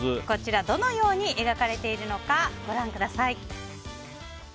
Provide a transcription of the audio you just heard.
こちら、どのように描かれているのかご覧ください。